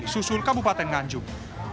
susul kabupaten nganjung